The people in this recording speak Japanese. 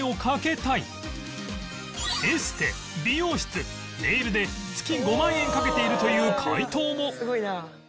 「エステ美容室ネイルで月５万円かけている」という回答も